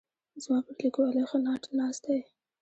زما پر لیکوالۍ ښه ناټ ناست دی.